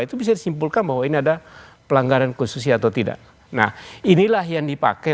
itu bisa disimpulkan bahwa ini ada pelanggaran konstitusi atau tidak nah inilah yang dipakai